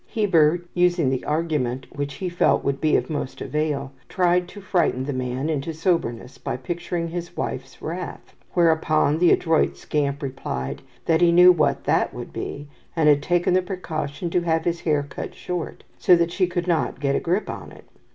Heber, using the argument which he felt would be of most avail, tried to frighten the man into soberness by picturing his wife's wrath; whereupon the adroit scamp replied that he knew what that would be, and had taken the precaution to have his hair cut short, so that she could not get a grip on it.